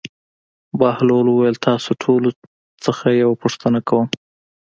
بهلول وویل: تاسو ټولو نه یوه پوښتنه کوم.